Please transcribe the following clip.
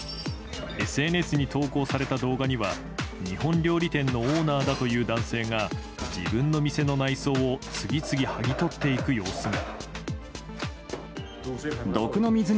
ＳＮＳに投稿された動画には日本料理店のオーナーだという男性が自分の店の内装を次々はぎ取っていく様子が。